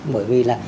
bởi vì là